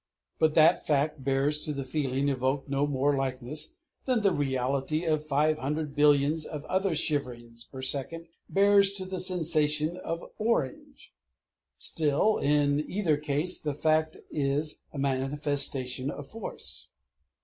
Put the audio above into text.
But that fact bears to the feeling evoked no more likeness than the reality of five hundred billions of ether shiverings per second bears to the sensation of orange. Still in either case the fact is a manifestation of force.